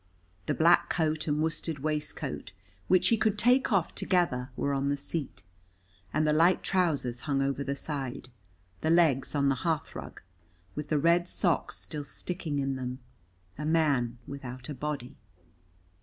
The black coat and worsted waistcoat which he could take off together were on the seat, and the light trousers hung over the side, the legs on the hearthrug, with the red socks still sticking in them: a man without a body.